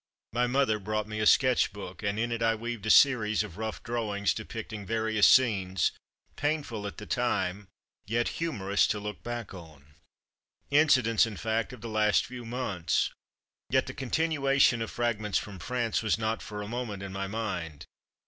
My mother brought me a sketch book, and in it I weaved a series of rough drawings depicting various scenes, painful at the time, yet humorous to look back on; incidents, in fact, of the last few months. Yet the continuance oi Fragments from France was not for a moment in my mind.